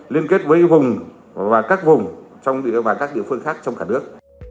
liên kết với vùng và các vùng và các địa phương khác trong cả nước